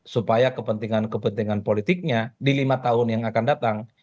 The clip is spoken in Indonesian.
supaya kepentingan kepentingan politiknya di lima tahun yang akan datang